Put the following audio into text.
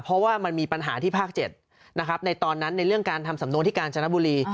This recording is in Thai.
เพราะว่ามันมีปัญหาที่ภาค๗นะครับในตอนนั้นในเรื่องการทำสำนวนที่กาญจนบุรี